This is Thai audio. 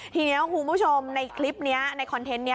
ทีนี้คุณผู้ชมในคลิปนี้ในคอนเทนต์นี้